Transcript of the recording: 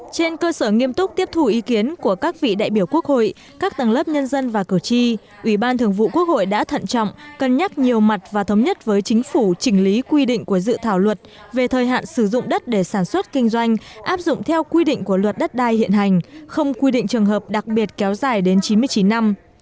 trên cơ sở nghiêm túc tiếp thù ý kiến của các vị đại biểu quốc hội các tầng lớp nhân dân và cử tri ủy ban thường vụ quốc hội đã thận trọng cân nhắc nhiều mặt và thống nhất với chính phủ chỉnh lý quy định của dự thảo luật về thời hạn sử dụng đất để sản xuất kinh doanh áp dụng theo quy định của luật đất đai hiện hành không quy định trường hợp đặc biệt kéo dài đến chín mươi chín năm